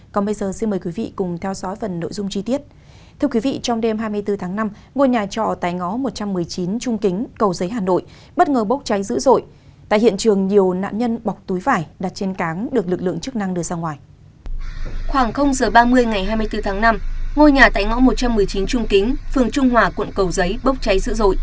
khoảng h ba mươi ngày hai mươi bốn tháng năm ngôi nhà tại ngõ một trăm một mươi chín trung kính phường trung hòa quận cầu giấy bốc cháy dữ dội